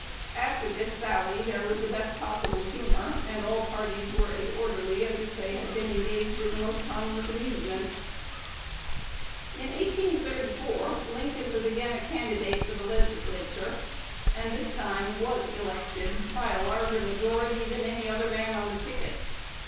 After this sally, there was the best possible humor, and all parties were as orderly as if they had been engaged in the most harmless amusement." In 1834 Lincoln was again a candidate for the Legislature, and this time was elected by a larger majority than any other man on the ticket.